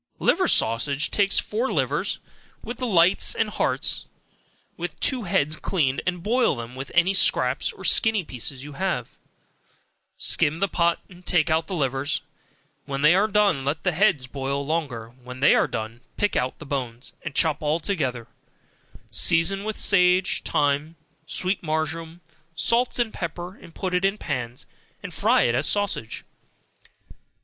Liver Sausage Take four livers, with the lights and hearts, have two heads cleaned, and boil them with any scraps, or skinny pieces you have, skim the pot, take out the livers when they are done, and let the heads boil longer, when they are done, pick out the bones, and chop all together, season with sage, thyme, sweet marjoram, salt and pepper, put it in pans, and fry it as sausage.